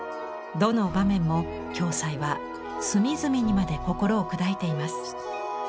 どの場面も暁斎は隅々にまで心を砕いています。